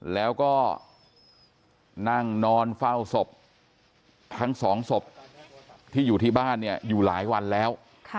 แล้วก็นั่งนอนเฝ้าศพทั้งสองศพที่อยู่ที่บ้านเนี่ยอยู่หลายวันแล้ว